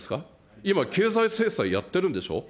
今、経済制裁やってるんでしょ。